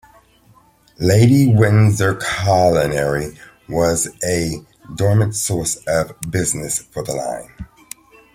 Lady Windsor Colliery was a dominant source of business for the line.